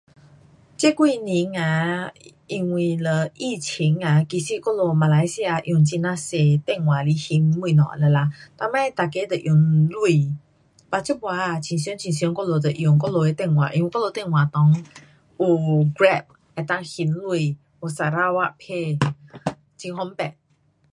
这几年呐，因为了疫情呐，其实我们马来西亚用很哪多电话来还东西了啦，以前每个都用钱 but 这次啊很常很常我们都用我们的电话。因为我们的电话里有 grab 能够还钱，有 sarawakpay. 很方便。